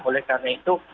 oleh karena itu